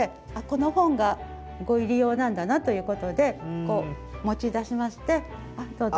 この本がご入り用なんだなということでこう持ち出しまして「どうぞご利用下さい」と。